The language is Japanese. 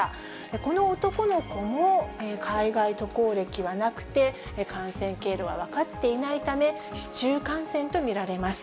この男の子も、海外渡航歴はなくて、感染経路は分かっていないため、市中感染と見られます。